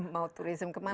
mau turism kemana